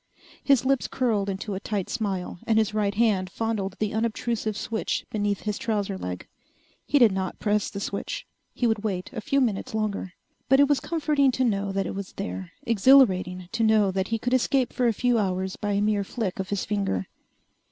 His lips curled into a tight smile and his right hand fondled the unobtrusive switch beneath his trouser leg. He did not press the switch. He would wait a few minutes longer. But it was comforting to know that it was there, exhilarating to know that he could escape for a few hours by a mere flick of his finger.